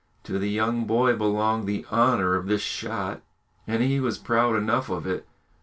To the young boy belonged the honour of this shot, and he was proud enough of it.